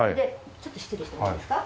ちょっと失礼してもいいですか。